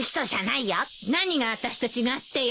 何があたしと違ってよ。